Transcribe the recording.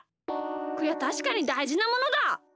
こりゃたしかにだいじなものだ！